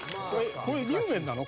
これにゅうめんなの？